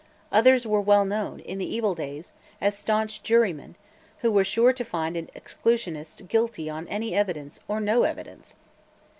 Others were well known, in the evil days, as stanch jurymen, who were sure to find an Exclusionist guilty on any evidence or no evidence."